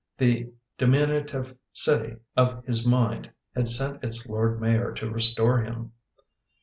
The diminu tive city of his mind had sent its lord mayor to restore him.